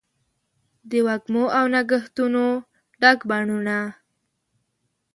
د وږمو او نګهتونو ډک بڼوڼه